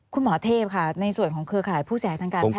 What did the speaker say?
คุณหมอเทพค่ะในส่วนของเครือข่ายผู้เสียทางการแพท